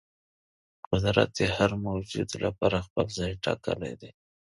قدرت د هر موجود لپاره خپل ځای ټاکلی دی.